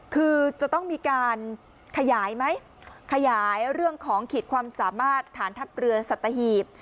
คือจะต้องมีการขยายไหมขยายเรื่องของขีดความสามารถฐานทัพเรือสัตหีบ